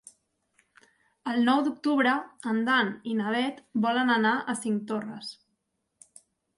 El nou d'octubre en Dan i na Bet volen anar a Cinctorres.